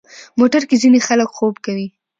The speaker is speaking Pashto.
موټر کې ځینې خلک خوب کوي.